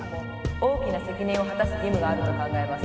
「大きな責任を果たす義務があると考えます」